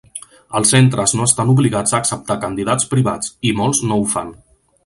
Els centres no estan obligats a acceptar candidats privats, i molts no ho fan.